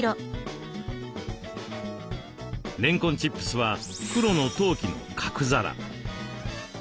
れんこんチップスは黒の陶器の角皿。